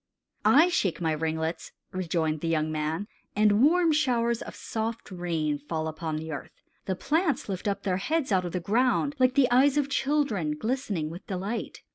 "I shake my ringlets," rejoined the young man, "and warm showers of soft rain fall upon the earth. The plants lift up their heads out of the ground like the eyes of children glistening with delight.